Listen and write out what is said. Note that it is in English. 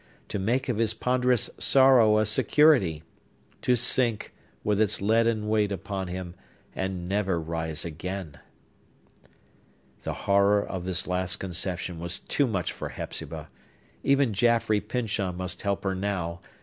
To make of his ponderous sorrow a security! To sink, with its leaden weight upon him, and never rise again! The horror of this last conception was too much for Hepzibah. Even Jaffrey Pyncheon must help her now!